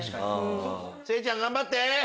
聖ちゃん頑張って！